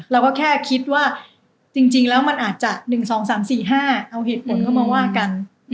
เราก็แค่คิดว่าจริงแล้วมันอาจจะ๑๒๓๔๕เอาเหตุผลเข้ามาว่ากัน